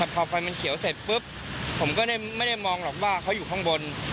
พอไฟมันเขียวเสร็จปุ๊บผมก็ไม่ได้มองหรอกว่าเขาอยู่ข้างบน